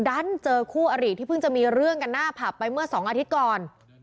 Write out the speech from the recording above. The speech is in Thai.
ดันเจอคู่อริที่เพิ่งจะมีเรื่องกันหน้าผับไปเมื่อ๒อาทิตย์ก่อน